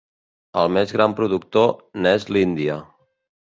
El més gran productor n'és l'Índia.